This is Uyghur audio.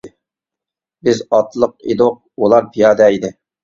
بىز ئاتلىق ئىدۇق ئۇلار پىيادە ئىدى.